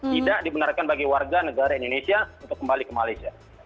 tidak dibenarkan bagi warga negara indonesia untuk kembali ke malaysia